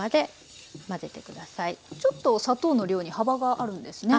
ちょっと砂糖の量に幅があるんですね？